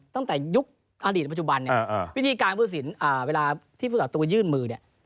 ตั้งแต่ยุคอดีตปัจจุบันเนี่ยวิธีการฟุตศิลป์เวลาที่ฟุตศาสตร์ตัวยื่นมือเนี่ย